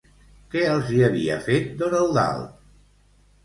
Què els hi havia fet don Eudald?